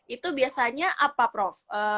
itu biasanya apa prof